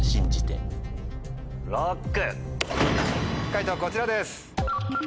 解答はこちらです。